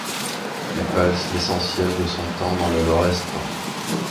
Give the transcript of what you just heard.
Il passe l’essentiel de son temps dans le Lorestan.